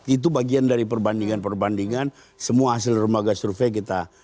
itu bagian dari perbandingan perbandingan semua hasil remaga survei kita